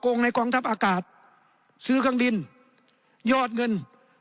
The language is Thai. โกงในกองทัพอากาศซื้อข้างบินยอดเงิน